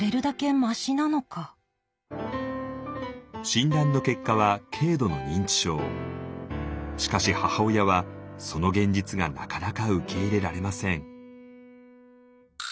診断の結果はしかし母親はその現実がなかなか受け入れられません。